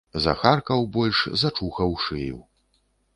Захаркаў больш, зачухаў шыю.